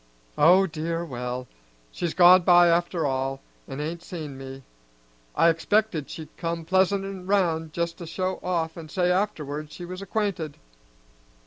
Oh dear, well; she's gone by after all, an' ain't seen me. I expected she'd come pleasantin' round just to show off an' say afterwards she was acquainted."